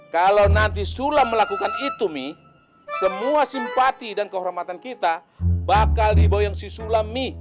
kalau nanti sulam melakukan itu mi semua simpati dan kehormatan kita bakal diboyang si sulam mi